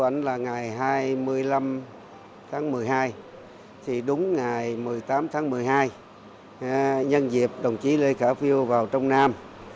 khoảng là ngày hai mươi năm tháng một mươi hai thì đúng ngày một mươi tám tháng một mươi hai nhân dịp đồng chí lê khả phiêu vào trong nam